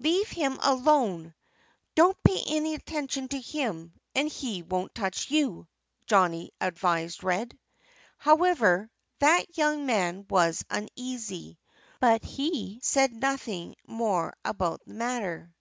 "Leave him alone! Don't pay any attention to him and he won't touch you!" Johnnie advised Red. However, that young man was uneasy. But he said nothing more about the matter.